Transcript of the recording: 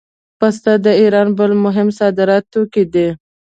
پسته د ایران بل مهم صادراتي توکی دی.